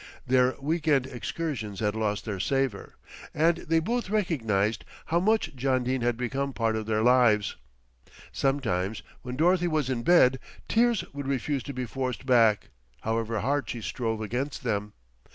Their week end excursions had lost their savour, and they both recognised how much John Dene had become part of their lives. Sometimes when Dorothy was in bed, tears would refuse to be forced back, however hard she strove against them.